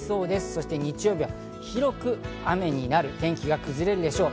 そして日曜日は広く雨になる、天気が崩れるでしょう。